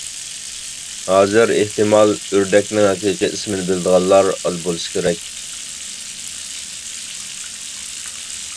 ھازىر ئېھتىمال ئۆردەكنىڭ ھەقىقىي ئىسمىنى بىلىدىغانلار ئاز بولسا كېرەك.